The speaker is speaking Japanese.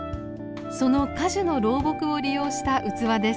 その果樹の老木を利用した器です。